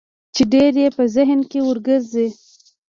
چې ډېر يې په ذهن کې ورګرځي.